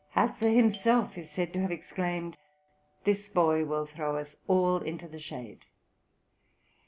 Hasse himself is said to have exclaimed: "This boy will throw us all into the shade."